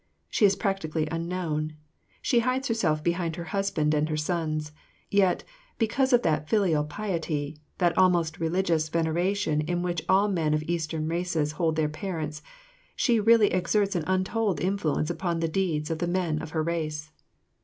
She is practically unknown, she hides herself behind her husband and her sons, yet, because of that filial piety, that almost religious veneration in which all men of Eastern races hold their parents, she really exerts an untold influence upon the deeds of the men of her race.